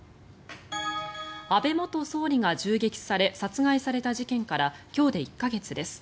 安倍元総理が銃撃され殺害された事件から今日で１か月です。